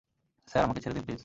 Sir, আমাকে ছেড়ে দিন প্লিজ।